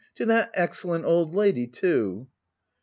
To that excel lent old lady^ too